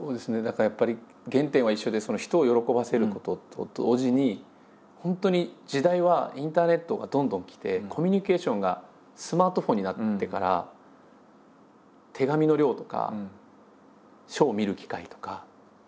だからやっぱり原点は一緒で人を喜ばせることと同時に本当に時代はインターネットがどんどん来てコミュニケーションがスマートフォンになってから手紙の量とか書を見る機会とか。